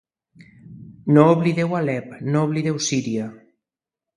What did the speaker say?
No oblideu Alep, no oblideu Síria.